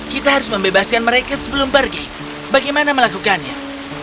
kita harus membebaskan mereka sebelum pergi bagaimana melakukannya